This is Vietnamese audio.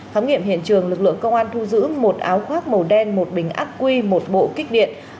khám nghiệm hiện trường lực lượng công an thu giữ một áo khoác màu đen một bình ác quy một bộ kích điện